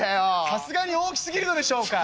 「さすがに大きすぎるのでしょうか」。